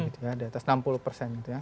di atas enam puluh persen